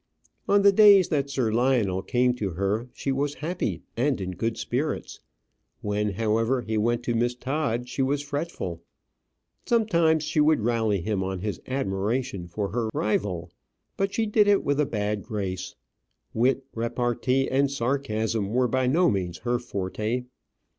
On the days that Sir Lionel came to her, she was happy, and in good spirits; when, however, he went to Miss Todd, she was fretful. Sometimes she would rally him on his admiration for her rival, but she did it with a bad grace. Wit, repartee, and sarcasm were by no means her forte.